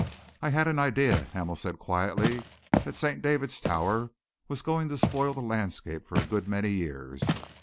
"I had an idea," Hamel said quietly, "that St. David's Tower was going to spoil the landscape for a good many years.